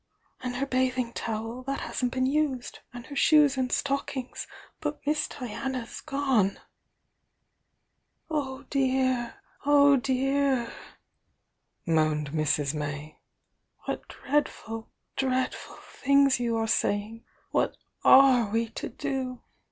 "And her bath ing towel, — that hasn't been used. And her shoes and stockings. But Miss Diana's gone!" "Oh dear, oh dear!" moaned Mrs. May. "What dreadful, dreadful things you are saying! What are we to do?